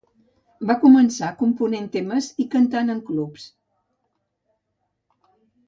Va començar component temes i cantant en clubs.